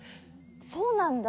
そうなんだ。